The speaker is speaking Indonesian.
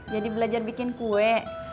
jadi belajar bikin kue